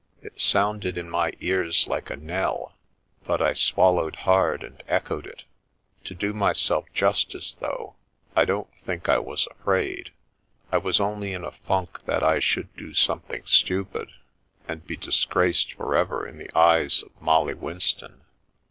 It sounded in my ears like a knell, but I swallowed hard, and echoed it. To do myself justice, though, I don't think I was afraid. I was only in a funk that I should do some thing stupid, and be disgraced forever in the eyes of Molly Winston.